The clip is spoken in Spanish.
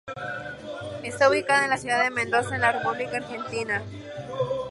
Está ubicado en la Ciudad de Mendoza, en la República Argentina.